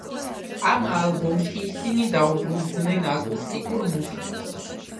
ამ ალბომში ისინი დაუბრუნდნენ აკუსტიკურ მუსიკას.